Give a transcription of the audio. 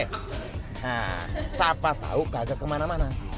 hah siapa tau kagak kemana mana